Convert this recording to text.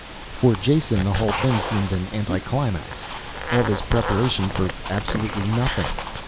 For Jason, the whole thing seemed an anticlimax. All this preparation for absolutely nothing.